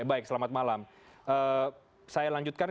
baik selamat malam saya lanjutkan